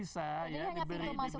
ini hanya pintu masuk